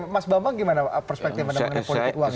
mas bambang gimana perspektifnya menurut politik uang ini